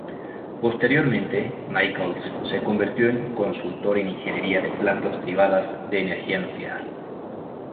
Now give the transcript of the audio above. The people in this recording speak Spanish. Posteriormente, Nichols se convirtió en consultor en ingeniería de plantas privadas de energía nuclear.